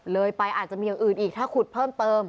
เลยไปอาจจะมีอย่างอื่นอีกถ้าขุดเพิ่มเติม